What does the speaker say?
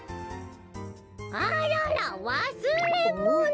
あららわすれもの！